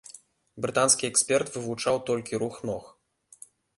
Брытанскі эксперт вывучаў толькі рух ног.